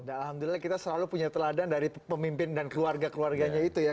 alhamdulillah kita selalu punya teladan dari pemimpin dan keluarga keluarganya itu ya